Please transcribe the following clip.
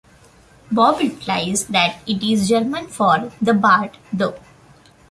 Bob replies that it is German for "The Bart, The".